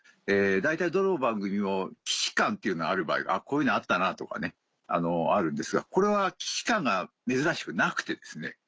大体どの番組も既視感っていうのある場合がこういうのあったなとかあるんですがこれは既視感が珍しくなくてですね